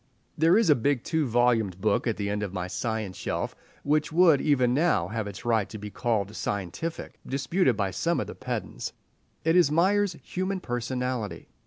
There is a big two volumed book at the end of my science shelf which would, even now, have its right to be called scientific disputed by some of the pedants. It is Myers' "Human Personality."